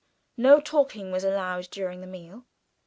No talking was allowed during the meal.